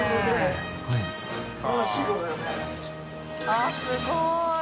あっすごい。